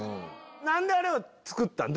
何であれを作ったん？